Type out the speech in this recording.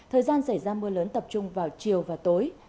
thời gian xảy ra mưa lớn tập trung vào chiều và tối